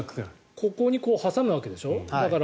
ここに挟むわけでしょ。